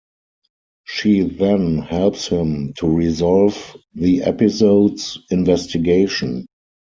She then helps him to resolve the episode's investigation.